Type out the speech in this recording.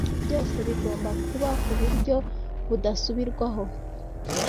byose bigomba kuba ku buryo budasubirwaho .